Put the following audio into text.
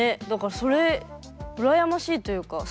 だからそれ羨ましいというか